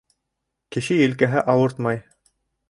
Кеше елкәһе ауыртмай.